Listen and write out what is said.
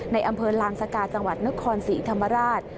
ในอำเภอลานสกาจังหวัดนครศรีธรรมราช